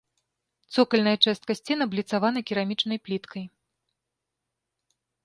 Цокальная частка сцен абліцавана керамічнай пліткай.